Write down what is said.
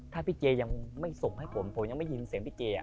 ถ้าพี่เจยังไม่ส่งให้ผมผมยังไม่ได้ยินเสียงพี่เจ